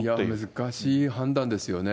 難しい判断ですよね。